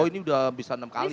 oh ini udah bisa enam kali